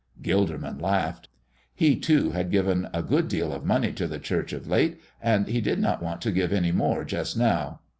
Gilderman laughed. He, too, had given a good deal of money to the church of late, and he did not want to give any more just now.